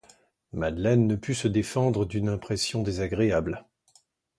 Madeleine ne put se défendre d'une impression désagréable.